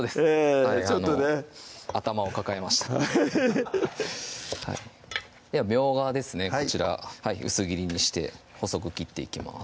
ちょっとね頭を抱えましたフフフッではみょうがですねこちら薄切りにして細く切っていきます